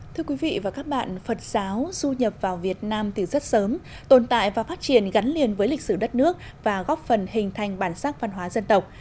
thưa quý vị và các bạn phật giáo du nhập vào việt nam từ rất sớm tồn tại và phát triển gắn liền với lịch sử đất nước và góp phần hình thành bản sắc văn hóa dân tộc